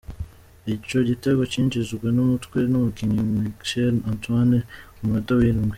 Ico gitego cinjijwe n’umutwe n’umukinyi Michail Antonio ku munota w’indwi.